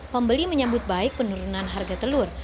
pembeli menyambut baik penurunan harga telur